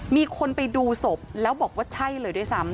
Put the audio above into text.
มีคนไปดูศพแล้วบอกว่าใช่เลยด้วยซ้ำ